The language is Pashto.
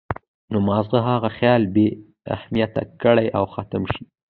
نو مازغۀ هغه خيال بې اهميته کړي او ختم شي